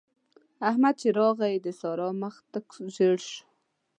احمد چې راغی؛ د سارا مخ تک ژړ شو.